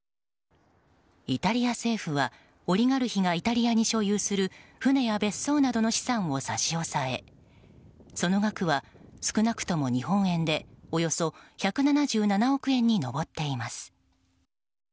イタリア政府は、オリガルヒがイタリアに所有する船や別荘などの資産を差し押さえその額は少なくとも日本円で１７７億円に上っています。